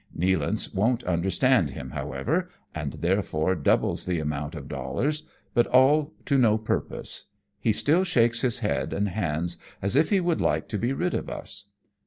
Nealance won^t understand him, however, and there fore doubles the amount of dollars, but all to no purpose, he still shakes his head and hands, as if he would like to be rid of us.